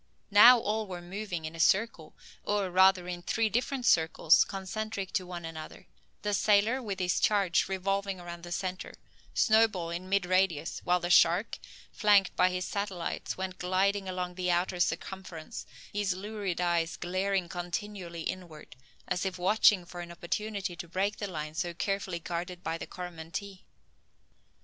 Now all were moving in a circle, or rather in three circles concentric to one another; the sailor, with his charge, revolving round the centre, Snowball in mid radius, while the shark, flanked by his satellites, went gliding along the outer circumference, his lurid eyes glaring continually inward, as if watching for an opportunity to break the line so carefully guarded by the Coromantee!